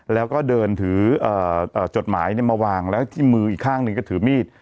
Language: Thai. แล้วก็เดินถือจดหมายมาวางแล้วที่มืออีกข้างหนึ่งก็ถือมีด